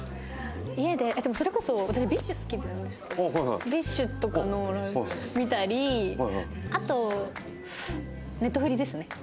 家ででもそれこそ私ＢｉＳＨ好きなんですけどＢｉＳＨとかのライブ見たりあとネトフリですね。